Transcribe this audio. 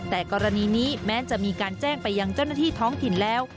แต่กรณีนี้แม้จะมีการแจ้งไปยังเจ้าหน้าที่ท้องถิ่นแล้ว